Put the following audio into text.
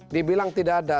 dibilang tidak ada